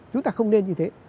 chúng ta không nên như thế